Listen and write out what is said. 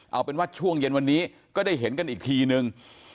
เอาเป็นว่าช่วงเย็นวันนี้ก็ได้เห็นกันอีกทีนึง